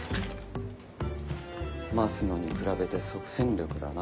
増野に比べて即戦力だな。